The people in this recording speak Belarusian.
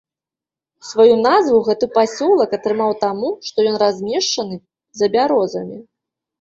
Сваю назву гэты пасёлак атрымаў таму, што ён размешчаны за бярозамі.